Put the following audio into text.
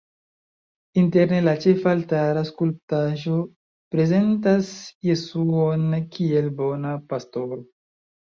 Interne la ĉefaltara skulptaĵo prezentas Jesuon kiel Bona Pastoro.